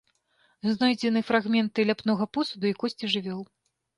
Знойдзены фрагменты ляпнога посуду і косці жывёл.